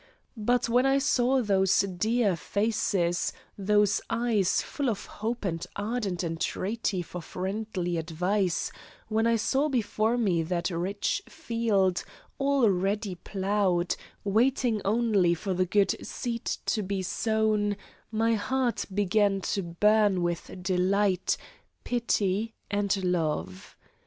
But when I saw those dear faces, those eyes full of hope and ardent entreaty for friendly advice; when I saw before me that rich field, already ploughed, waiting only for the good seed to be sown, my heart began to burn with delight, pity and love.